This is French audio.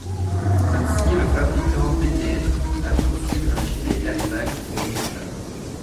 Ainsi le fabricant Dainese a conçu un gilet airbag pour le motard.